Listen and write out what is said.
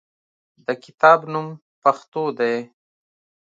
د کتاب نوم "پښتو" دی.